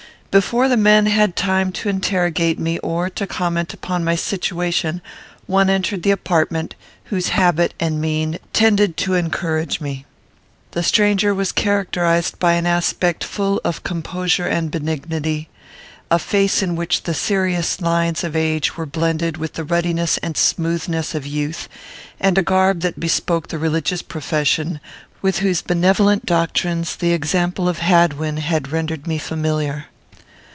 Before the men had time to interrogate me, or to comment upon my situation, one entered the apartment, whose habit and mien tended to encourage me. The stranger was characterized by an aspect full of composure and benignity, a face in which the serious lines of age were blended with the ruddiness and smoothness of youth, and a garb that bespoke that religious profession with whose benevolent doctrines the example of Hadwin had rendered me familiar.